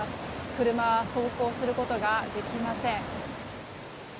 車は走行することができません。